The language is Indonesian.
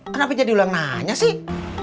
kenapa jadi ulang nanya sih